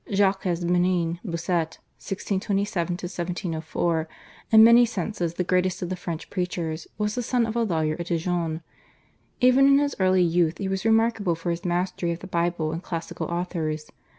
/Jacques Benigne Bossuet/ (1627 1704), in many senses the greatest of the French preachers, was the son of a lawyer at Dijon. Even in his early youth he was remarkable for his mastery of the Bible and classical authors.